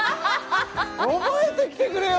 覚えてきてくれよ！